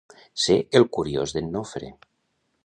Ser el curiós d'en Nofre.